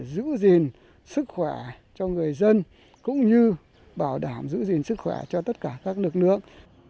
giữ gìn sức khỏe cho người dân cũng như bảo đảm giữ gìn sức khỏe cho tất cả các lực lượng